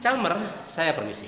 calmer saya permisi